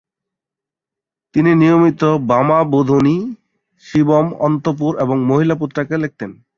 তিনি নিয়মিত বামাবোধিনী, শিবম, অন্তপুর এবং মহিলা পত্রিকায় লিখতেন।